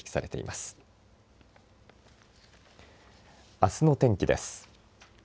あすの天気です。